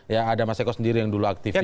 ya ada mas eko sendiri yang dulu aktif itu juga